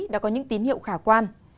đã có những tín hiệu khả quan